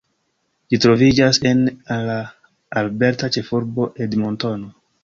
Ĝi troviĝas en la alberta ĉefurbo Edmontono.